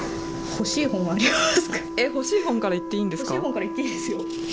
欲しい本から言っていいですよ。